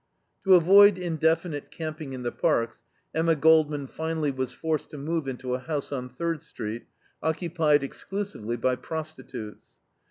To avoid indefinite camping in the parks Emma Goldman finally was forced to move into a house on Third Street, occupied exclusively by prostitutes.